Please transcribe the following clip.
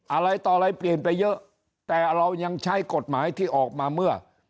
อะไรต่ออะไรเปลี่ยนไปเยอะแต่เรายังใช้กฎหมายที่ออกมาเมื่อ